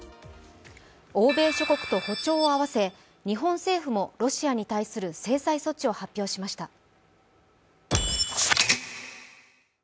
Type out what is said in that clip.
欧米諸国と歩調を合わせ日本政府もロシアに対する制裁措置を発表しました。